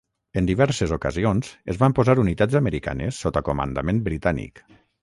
En diverses ocasions es van posar unitats americanes sota comandament britànic.